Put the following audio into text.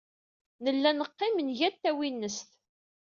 Nella neqqim, nga-d tawinest.